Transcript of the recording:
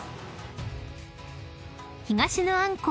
［東のあんこう